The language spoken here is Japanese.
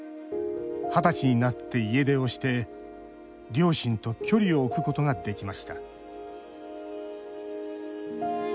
二十歳になって家出をして両親と距離を置くことができました。